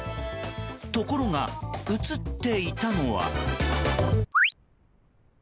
ところが、映っていたのは。